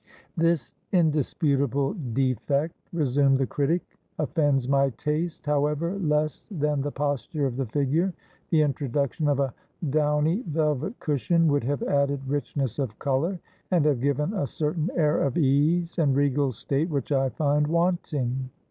"This indisputable defect," resumed the critic, '^ of fends my taste, however, less than the posture of the figure. The introduction of a downy velvet cushion would have added richness of color, and have given a certain air of ease and regal state which I find wanting.